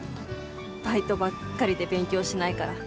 バイトばっかりで勉強しないから。